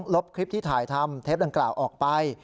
ลบคลิปที่ถ่ายทำเทปดังกล่าวออกไป